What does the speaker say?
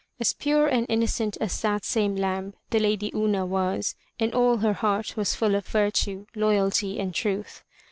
As pure and innocent as that same lamb the Lady Una was and all her heart was full of virtue, loyalty and truth.